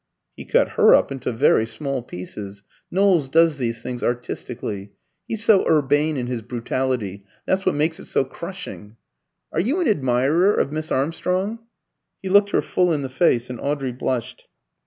"He cut her up into very small pieces. Knowles does these things artistically. He's so urbane in his brutality; that's what makes it so crushing. Are you an admirer of Miss Armstrong?" He looked her full in the face, and Audrey blushed.